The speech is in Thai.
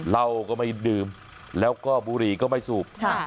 เหล้าก็ไม่ดื่มแล้วก็บุหรี่ก็ไม่สูบ